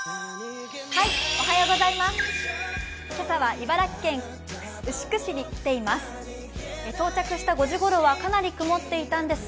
今朝は茨城県牛久市に来ています。